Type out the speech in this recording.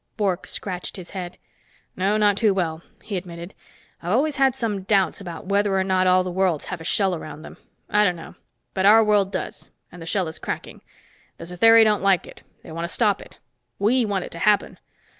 Bork scratched his head. "No, not too well," he admitted. "I've always had some doubts about whether or not all the worlds have a shell around them. I don't know. But our world does, and the shell is cracking. The Satheri don't like it; they want to stop it. We want it to happen.